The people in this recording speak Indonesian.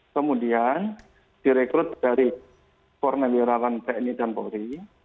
kemudian direkrut dari purnawirawan tni dan polri